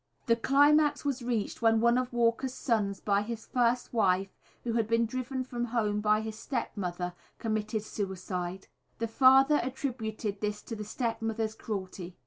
The climax was reached when one of Walker's sons by his first wife, who had been driven from home by his step mother, committed suicide. The father attributed this to the step mother's cruelty.